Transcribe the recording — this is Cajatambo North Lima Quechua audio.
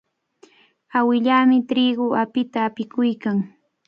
Awilaami triqu apita apikuykan.